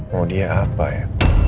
mau dia apa ya